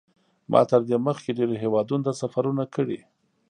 ما تر دې مخکې ډېرو هېوادونو ته سفرونه کړي.